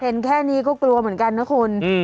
เห็นแค่นี้ก็กลัวเหมือนกันนะคุณ